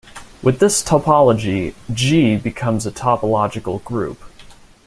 With this topology, "G" becomes a topological group.